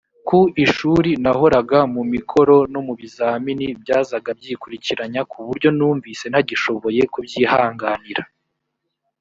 ku ishuri nahoraga mu mikoro no mu bizamini byazaga byikurikiranya ku buryo numvise ntagishoboye kubyihanganira